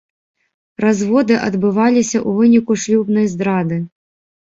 Разводы адбываліся ў выніку шлюбнай здрады.